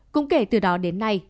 cũng kể từ đó đến nay